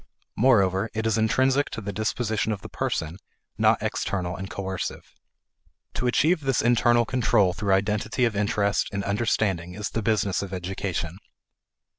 Moreover it is intrinsic to the disposition of the person, not external and coercive. To achieve this internal control through identity of interest and understanding is the business of education.